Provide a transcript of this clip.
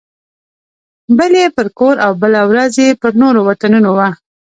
بله یې پر کور او بله ورځ یې پر نورو وطنونو وه.